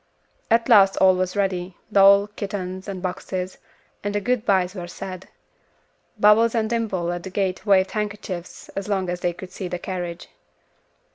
At last all was ready, doll, kittens, and boxes, and the good byes were said. Bubbles and Dimple at the gate waved handkerchiefs as long as they could see the carriage.